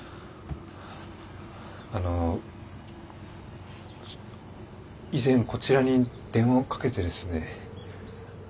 あの以前こちらに電話をかけてですね